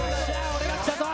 俺がきたぞ！